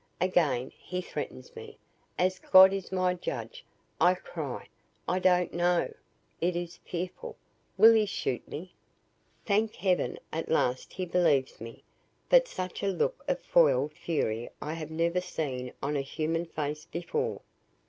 Again he threatens me. 'As God is my judge,' I cry, 'I don't know.' It is fearful. Will he shoot me? "Thank heaven! At last he believes me. But such a look of foiled fury I have never seen on any human face before.